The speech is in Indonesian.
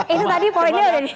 itu tadi poinnya udah di